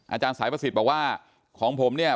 อาจารย์สายประสิทธิ์บอกว่าของผมเนี่ย